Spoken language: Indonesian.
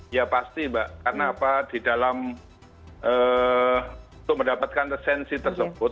ya pasti mbak karena apa di dalam mendapatkan lisensi tertinggi